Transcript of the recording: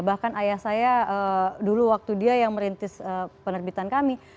bahkan ayah saya dulu waktu dia yang merintis penerbitan kami